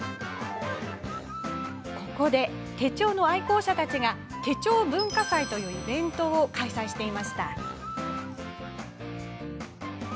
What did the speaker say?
ここで、手帳の愛好者たちが手帳文化祭というイベントを開催していました。